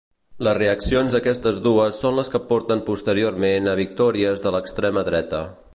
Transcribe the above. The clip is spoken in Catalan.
Les reaccions d'aquestes dues són les que porten posteriorment a victòries de l'extrema dreta.